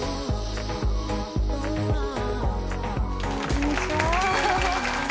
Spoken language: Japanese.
こんにちは。